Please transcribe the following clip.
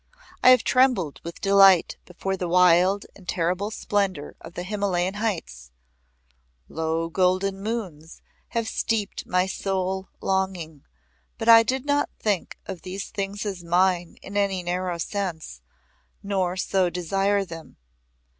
I have trembled with delight before the wild and terrible splendour of the Himalayan heights ; low golden moons have steeped my soul longing, but I did not think of these things as mine in any narrow sense, nor so desire them.